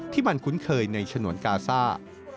ที่มันคุ้นเคยในฉนวนกาซ่า